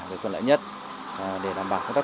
được còn lợi nhất để đảm bảo công tác